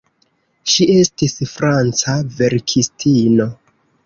Ŝi estis franca verkistino.